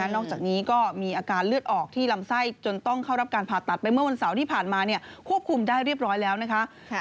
นอกจากนี้ก็มีอาการเลือดออกที่ลำไส้จนต้องเข้ารับการผ่าตัดไปเมื่อวันเสาร์ที่ผ่านมาควบคุมได้เรียบร้อยแล้วนะคะ